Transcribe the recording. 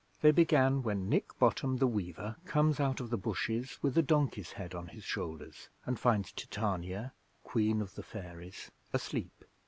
They began when Nick Bottom the weaver comes out of the bushes with a donkey's head on his shoulders, and finds Titania, Queen of the Fairies, asleep.